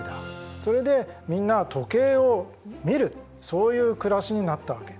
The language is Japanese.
それでみんな時計を見るそういう暮らしになったわけ。